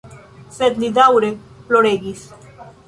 Sed li daŭre ploregis.